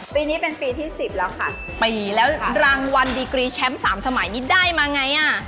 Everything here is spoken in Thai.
ปีนี้เป็นปีที่๑๐แล้วค่ะปีแล้วรางวัลดีกรีแชมป์สามสมัยนี้ได้มาไงอ่ะ